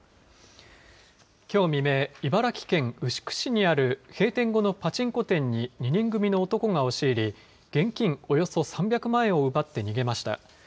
きょう未明、茨城県牛久市にある閉店後のパチンコ店に２人組の男が押し入り、現金およそ３００万円を奪って逃げました。